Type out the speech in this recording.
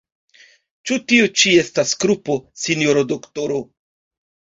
Ĉu tio ĉi estas krupo, sinjoro doktoro?